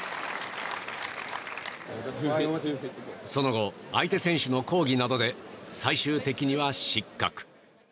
その後、相手選手の抗議などで最終的には失格。